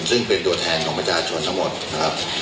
ซึ่งเป็นตัวแทนของประชาชนทั้งหมดนะครับ